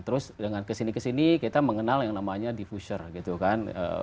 terus dengan kesini kesini kita mengenal yang namanya defuser gitu kan